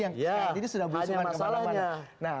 yang saat ini sudah berusungan kemana mana